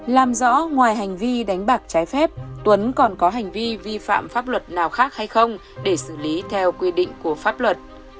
làm rõ ngoài hành vi đánh bạc trái phép tuấn còn có hành vi vi phạm pháp luật nào khác hay không để xử lý theo quy định của pháp luật